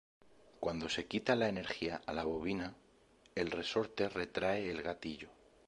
Cuando se quita la energía a la bobina, el resorte retrae el gatillo.